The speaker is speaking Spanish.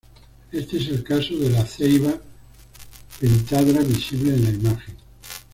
Este es el caso de la ceiba pentandra visible en la imagen.